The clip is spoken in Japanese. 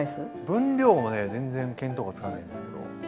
分量もね全然見当がつかないんですけど。